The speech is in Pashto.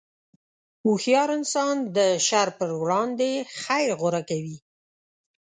هوښیار انسان د شر پر وړاندې خیر غوره کوي.